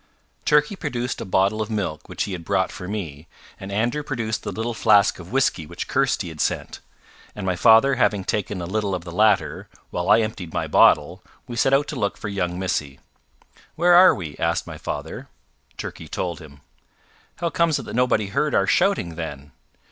Turkey produced a bottle of milk which he had brought for me, and Andrew produced the little flask of whisky which Kirsty had sent; and my father having taken a little of the latter, while I emptied my bottle, we set out to look for young Missy. "Where are we?" asked my father. Turkey told him. "How comes it that nobody heard our shouting, then?"